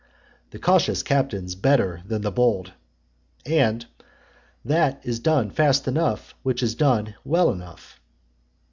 The cautious captain's better than the bold. And "That is done fast enough, which is done well enough."